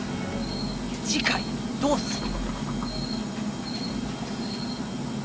次回どうする。